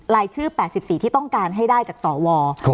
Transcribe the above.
รายชื่อ๘๔ที่ต้องการให้ได้จากสว